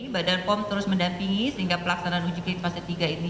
badan pom terus mendampingi sehingga pelaksanaan uji klinik fase tiga ini